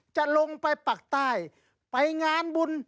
จะลงไปปักใต้ไปงานบุญ